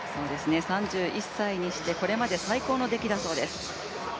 ３１歳にして、これまで最高の出来だそうです。